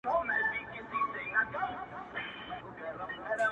o خوله په غاښو ښايسته وي٫